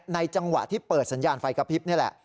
จังหวะที่เปิดสัญญาณไฟกระพริบนี่แหละ